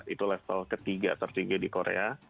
itu level ketiga tertinggi di korea